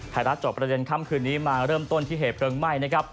ไทยรัฐจอดประเด็นค่ำคืนนี้มาเริ่มต้นที่เหตุเปลืองไหม้